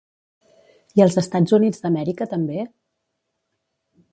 I als Estats Units d'Amèrica també?